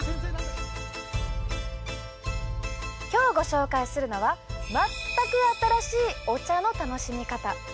今日ご紹介するのは全く新しいお茶の楽しみ方。